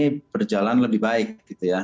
ini berjalan lebih baik gitu ya